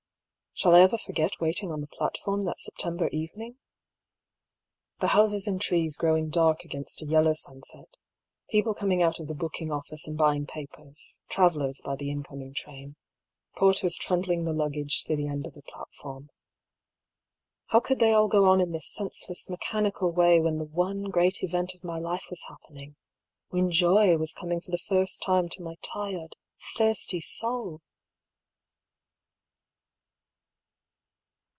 Shall I ever forget waiting on the platform that Sep tember evening? The houses and trees growing dark against a yellow sunset, people coming out of the book ing oflGice and buying papers (travellers by the incoming train), porters trundling the luggage to the end of the platform. How could they all go on in this senseless, mechanical way when the one great event of my life was happening — when Joy was coming for the first time to my tired, thirsty soul